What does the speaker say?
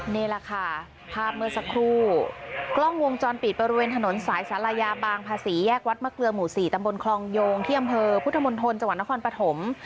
นี่แหละค่ะภาพเมื่อสักครู่กล้องวงจรปิดบริเวณถนนสายศาลายาบางภาษีแยกวัดมะเกลือหมู่๔ตำบลคลองโยงที่อำเภอพุทธมนตรจังหวัดนครปฐม